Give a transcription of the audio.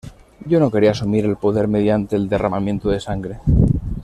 Yo no quería asumir el poder mediante el derramamiento de sangre".